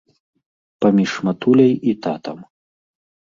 Паміж матуляй і татам.